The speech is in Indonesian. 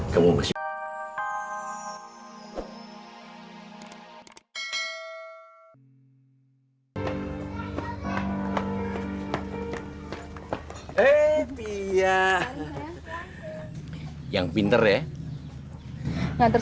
sampai jumpa di video selanjutnya